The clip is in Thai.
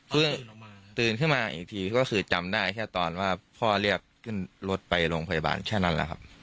เพื่อตื่นขึ้นมาอีกทีก็คือจำได้แค่ตอนว่าพ่อเรียกขึ้นรถไปโรงพยาบาลแค่นั้นแหละครับ